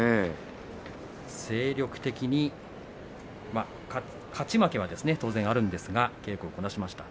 精力的に勝ち負けは当然ありますが稽古をこなしていました。